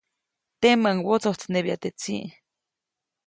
Temäʼuŋ wotsojtsnebya teʼ tsiʼ.